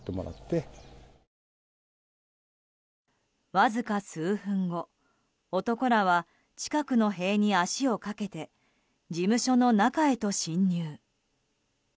わずか数分後男らは、近くの塀に足をかけて事務所の中へと侵入。